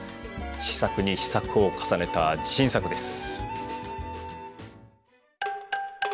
試作に試作を重ねた自信作です。